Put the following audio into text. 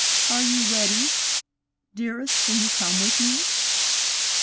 "Are you ready? dearest, will you come with me?"